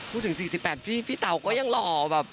พูดถึง๔๘พี่พี่เต๋าก็ยังหล่อแบบ